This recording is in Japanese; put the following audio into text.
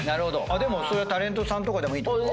タレントさんとかでもいいってこと？